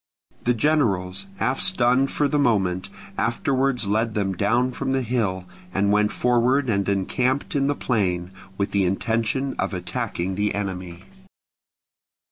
The generals, half stunned for the moment, afterwards led them down from the hill, and went forward and encamped in the plain, with the intention of attacking the enemy.